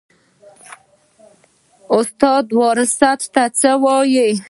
استاده وراثت څه ته وایي